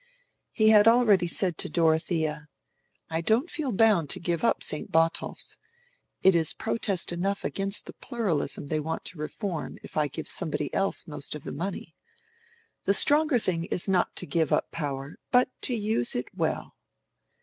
He had already said to Dorothea, "I don't feel bound to give up St. Botolph's. It is protest enough against the pluralism they want to reform if I give somebody else most of the money. The stronger thing is not to give up power, but to use it well."